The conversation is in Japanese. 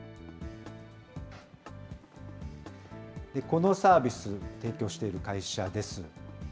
このサービス、提供している会社です。